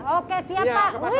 oke siap pak